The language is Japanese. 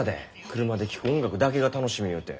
車で聴く音楽だけが楽しみ言うて。